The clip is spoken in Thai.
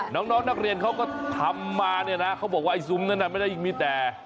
น้องนักเรียนเขาก็ทำมาเนี่ยนะเขาบอกว่าไอ้ซุ้มนั้นน่ะไม่ได้มีแต่